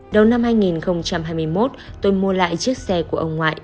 đầu năm hai nghìn hai mươi một tôi mua lại chiếc xe của ông ngoại